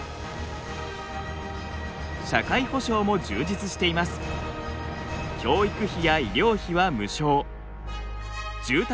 社会保障も充実しています。